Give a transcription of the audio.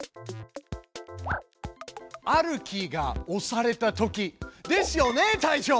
「あるキーが押されたとき」ですよね隊長！